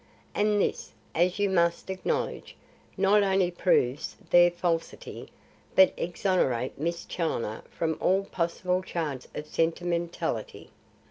And this, as you must acknowledge, not only proves their falsity, but exonerates Miss Challoner from all possible charge of sentimentality."